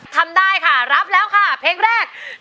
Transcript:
ทำได้ค่ะรับแล้วค่ะเพลงแรก